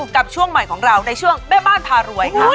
กับช่วงใหม่ของเราในช่วงแม่บ้านพารวยค่ะ